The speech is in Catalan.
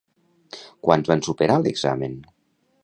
Quants van superar l'examen?